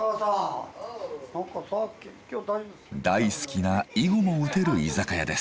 大好きな囲碁も打てる居酒屋です。